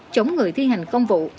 chống người thi hành công vụ